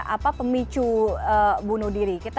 apa pemicu bunuh diri